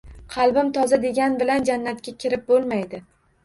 “Qalbim toza” degan bilan jannatga kirib bo‘lmaydi.